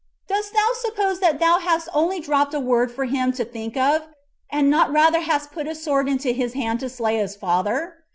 Dost thou suppose that thou hast only dropped a word for him to think of, and not rather hast put a sword into his hand to slay his father?